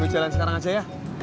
mau jalan sekarang aja ya